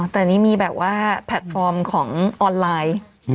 แต่อันนี้มีแบบว่าแพลตฟอร์มของออนไลน์